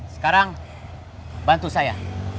sekarang bantu saya